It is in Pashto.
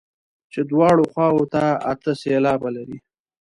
چې دواړو خواوو ته اته سېلابه لري.